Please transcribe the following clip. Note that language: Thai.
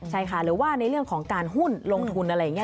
ใช่ค่ะหรือว่าในเรื่องของการหุ้นลงทุนอะไรอย่างนี้